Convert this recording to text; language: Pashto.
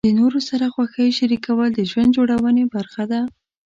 د نورو سره خوښۍ شریکول د ژوند جوړونې برخه ده.